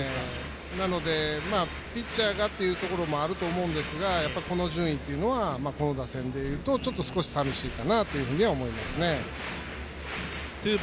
なので、ピッチャーがっていうところもあると思うんですがこの順位っていうのがこの打線でいうと少し、さみしいかなというふうには思います。